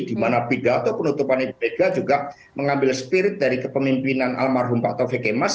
dimana pidato penutupan ipbg juga mengambil spirit dari kepemimpinan almarhum pak tove kemas